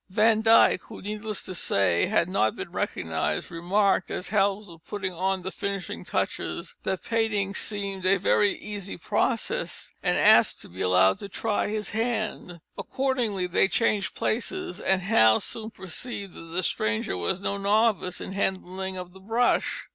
Van Dyck, who, needless to say, had not been recognised, remarked, as Hals was putting on the finishing touches, that painting seemed a very easy process, and asked to be allowed to try his hand. Accordingly they changed places, and Hals soon perceived that the stranger was no novice in the handling of the brush.